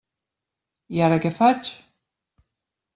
I ara què faig?